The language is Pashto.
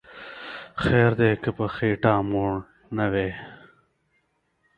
خیر دی که په خیټه موړ نه وی